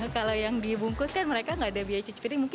kalau yang dibungkus kan mereka nggak ada biaya cuci piring mungkin